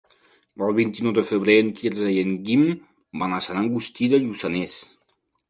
El vint-i-nou de febrer en Quirze i en Guim van a Sant Agustí de Lluçanès.